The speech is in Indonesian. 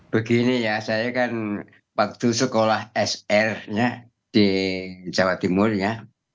begini ya saya kan waktu sekolah sr nya di jawa timur ya